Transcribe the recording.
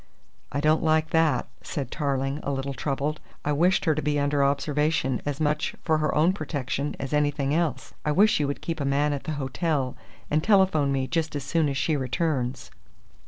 "I don't like that," said Tarling, a little troubled. "I wished her to be under observation as much for her own protection as anything else. I wish you would keep a man at the hotel and telephone me just as soon as she returns."